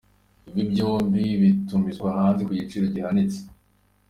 Ibi byombi bitumizwa hanze ku giciro gihanitse.